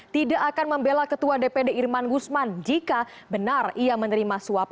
tidak akan membela ketua dpd irman gusman jika benar ia menerima suap